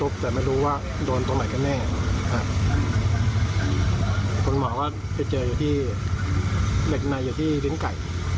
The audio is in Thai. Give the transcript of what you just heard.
ก็ต้องการขีดออกมา